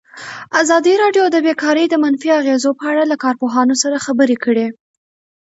ازادي راډیو د بیکاري د منفي اغېزو په اړه له کارپوهانو سره خبرې کړي.